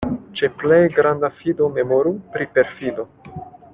Ĉe plej granda fido memoru pri perfido.